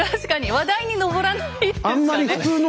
話題に上らないですかね